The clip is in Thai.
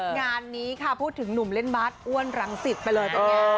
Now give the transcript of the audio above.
งานนี้ค่ะพูดถึงหนุ่มเล่นบาร์ดอ้วนรังสิทธิ์ไปเลย